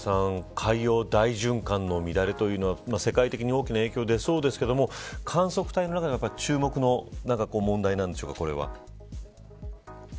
海洋大循環の乱れというのは世界的に大きな影響が出そうですが観測隊の中でも注目の問題なんでしょうか。